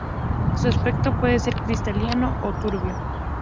Su aspecto puede ser cristalino o turbio.